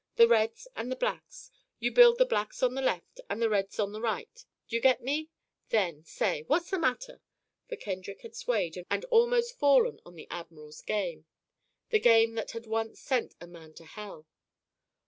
"The reds and the blacks. You build the blacks on the left, and the reds on the right do you get me? Then say, what's the matter?" For Kendrick had swayed and almost fallen on the admiral's game the game that had once sent a man to hell.